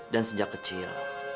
dan sejak kecil